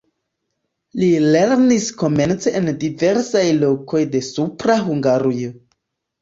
Li lernis komence en diversaj lokoj de Supra Hungarujo.